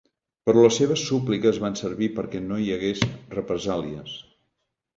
Però les seves súpliques van servir perquè no hi hagués represàlies.